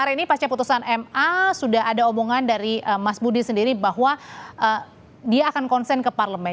jadi pasnya putusan ma sudah ada omongan dari mas budi sendiri bahwa dia akan konsen ke parlemen